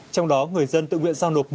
trong đó người dân tự nguyện giao nộp